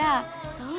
そう。